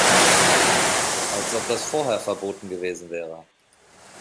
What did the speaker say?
Als ob das vorher verboten gewesen wäre!